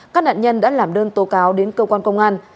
các nạn nhân đã làm đơn tố cáo đến cơ quan công an